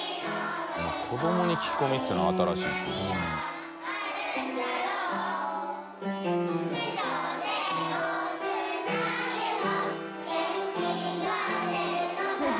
子どもに聞き込みっていうのは新しいですよでも。））